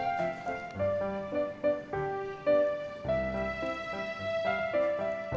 tunggu gue nyalakan lagi